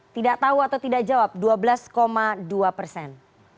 tidak tahu atau tidak jawab dua belas dua persen